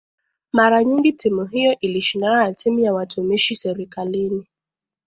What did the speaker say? Mara nyingi timu hiyo ilishindana na timu ya watumishi serikalini